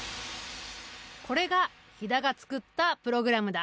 これが肥田が作ったプログラムだ。